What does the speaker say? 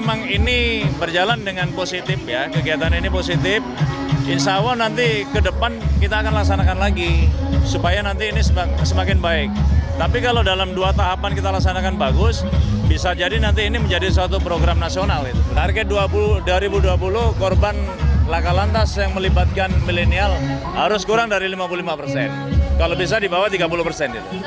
sebelumnya di jabodetabek kecilakaan lintas diketahui berada di usia produktif